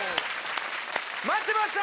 待ってました！